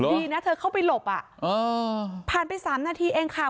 ดีนะเธอเข้าไปหลบผ่านไป๓นาทีเองค่ะ